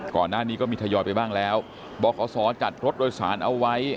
ก่อนหน้านี้ก็มีทยอยไปบ้างแล้วบอกขอสอจัดรถโดยสารเอาไว้